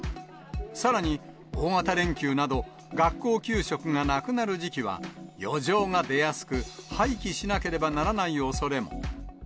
さらに、大型連休など学校給食がなくなる時期は余剰が出やすく、廃棄しなければならないおそれも。